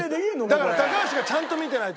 だから高橋がちゃんと見てないと。